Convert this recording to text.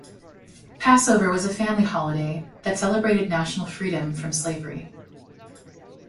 Passover was a family holiday that celebrated national freedom from slavery.